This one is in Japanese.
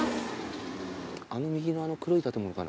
あの右の黒い建物かな？